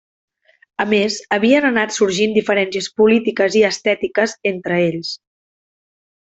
A més havien anat sorgint diferències polítiques i estètiques entre ells.